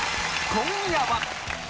今夜は。